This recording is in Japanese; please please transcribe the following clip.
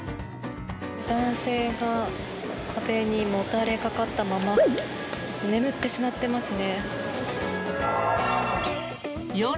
男性が壁にもたれかかったまま眠ってしまっていますね。